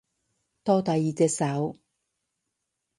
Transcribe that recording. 到第二隻手